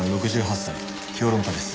評論家です。